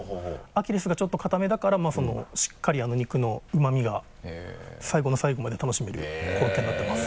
アキレスがちょっと硬めだからしっかり肉のうま味が最後の最後まで楽しめるコロッケになってます。